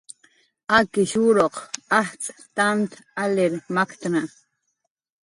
Akishuruq ajtz' t'ant alir maktna